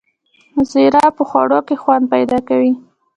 زیره په خوړو کې خوند پیدا کوي